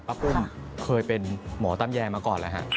ปุ้มเคยเป็นหมอตำแยมาก่อนแล้วฮะ